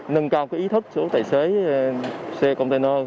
nâng cao ý thức số tài xế xe container